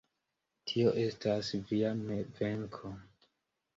Tio estas via venko.